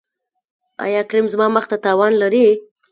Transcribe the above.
ایا کریم زما مخ ته تاوان لري؟